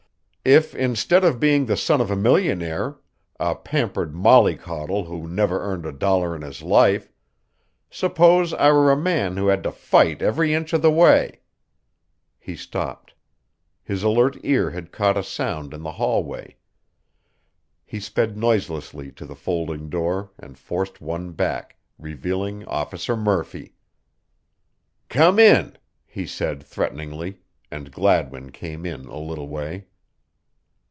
"If instead of being the son of a millionaire, a pampered molly coddle who never earned a dollar in his life suppose I were a man who had to fight every inch of the way" He stopped. His alert ear had caught a sound in the hallway. He sped noiselessly to the folding door and forced one back, revealing Officer Murphy. "Come in," he said threateningly, and Gladwin came in a little way.